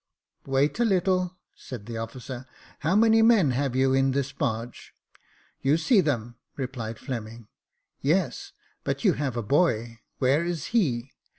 " Wait a little," said the officer; "how many men have you in this barge ?"" You see them," replied Fleming. " Yes J but you have a boy : where is he